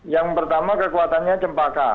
yang pertama kekuatannya jempaka